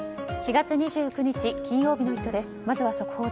４月２９日、金曜日の「イット！」です。